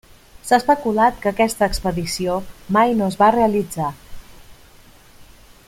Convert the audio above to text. S'ha especulat que aquesta expedició mai no es va realitzar.